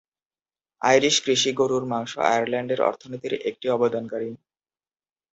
Irish কৃষি গরুর মাংস আয়ারল্যান্ডের অর্থনীতির একটি অবদানকারী।